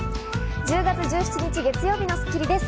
１０月１７日、月曜日の『スッキリ』です。